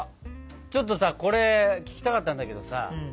ちょっとさこれ聞きたかったんだけどさ